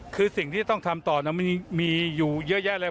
คือสิ่งที่ต้องทำต่อมันมีอยู่เยอะแยะเลย